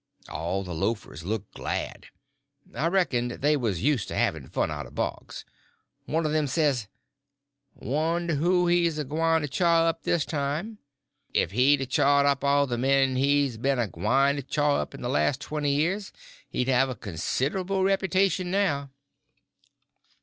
All the loafers looked glad; I reckoned they was used to having fun out of Boggs. One of them says: "Wonder who he's a gwyne to chaw up this time. If he'd a chawed up all the men he's ben a gwyne to chaw up in the last twenty year he'd have considerable ruputation now."